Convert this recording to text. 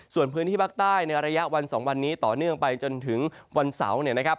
ส่วนพื้นที่ภาคใต้ในระยะวัน๒วันนี้ต่อเนื่องไปจนถึงวันเสาร์เนี่ยนะครับ